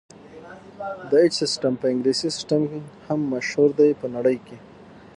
د ایچ سیسټم په انګلیسي سیسټم هم مشهور دی په نړۍ کې.